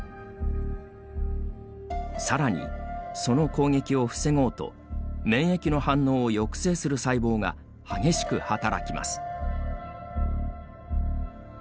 さらに、その攻撃を防ごうと免疫の反応を抑制する細胞が激しく働きます。